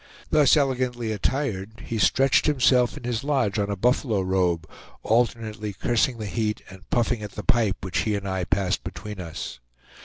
Thus elegantly attired, he stretched himself in his lodge on a buffalo robe, alternately cursing the heat and puffing at the pipe which he and I passed between us.